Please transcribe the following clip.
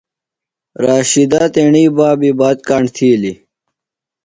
رشیدہ تیݨی بابیۡ بات کاݨ تِھیلیۡ ۔